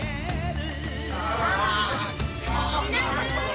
皆さーん！